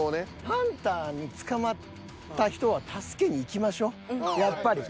ハンターに捕まった人は助けに行きましょやっぱり。